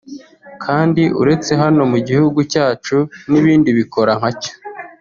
Kandi uretse hano mu gihugu cyacu n’ibindi bikora nkacyo